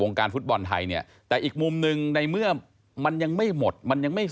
และก็สปอร์ตเรียนว่าคำน่าจะมีการล็อคกรมการสังขัดสปอร์ตเรื่องหน้าในวงการกีฬาประกอบสนับไทย